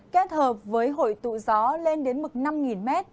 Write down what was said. kết hợp với hội tụ gió lên đến mực năm m